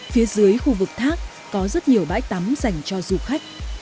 phía dưới khu vực thác có rất nhiều bãi tắm dành cho du khách